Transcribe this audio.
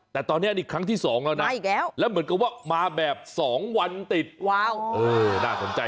แต่ตอนนี้นี่ครั้งที่สองแล้วนะแล้วเหมือนกับว่ามาแบบ๒วันติดว้าวน่าสนใจ